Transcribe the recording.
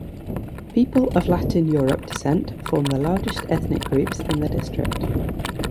People of Latin Europe descent form the largest ethnic groups in the district.